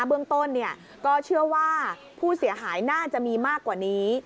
เบื้องต้นก็เชื่อว่าผู้เสียหายน่าจะมีมากกว่านี้